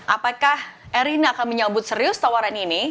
apakah erina akan menyambut serius tawaran ini